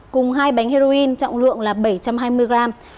cùng hai bánh heroin trọng lượng bảy trăm hai mươi g